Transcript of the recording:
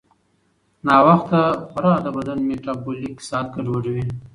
ناوخته خورا د بدن میټابولیک ساعت ګډوډوي.